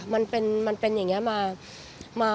มันเป็นอย่างนี้มา